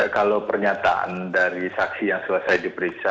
kalau pernyataan dari saksi yang selesai diperiksa